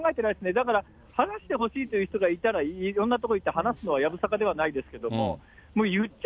だから話してほしいという人がいたら、いろんなとこ行って話すのはやぶさかではないですけれども、もう言っちゃ